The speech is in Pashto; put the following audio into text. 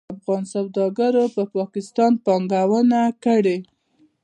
افغان سوداګرو په پاکستان پانګونه کړې.